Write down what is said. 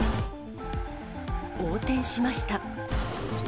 横転しました。